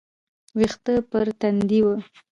ويښته پر تندي وه.